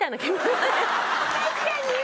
確かに！